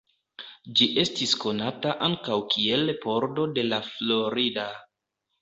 Ĝi estis konata ankaŭ kiel pordo de La Florida.